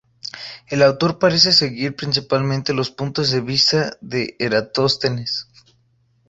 El autor parece seguir principalmente los puntos de vista de Eratóstenes.